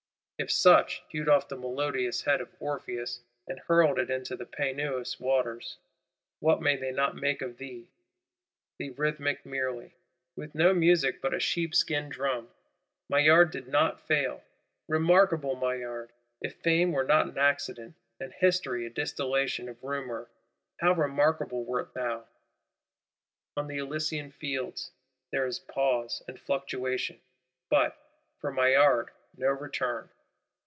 If such hewed off the melodious head of Orpheus, and hurled it into the Peneus waters, what may they not make of thee,—thee rhythmic merely, with no music but a sheepskin drum!—Maillard did not fail. Remarkable Maillard, if fame were not an accident, and History a distillation of Rumour, how remarkable wert thou! On the Elysian Fields, there is pause and fluctuation; but, for Maillard, no return.